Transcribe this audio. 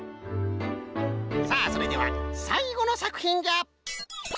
さあそれではさいごのさくひんじゃ！